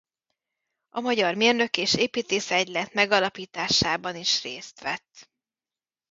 A Magyar Mérnök- és Építész-Egylet megalapításában is részt vett.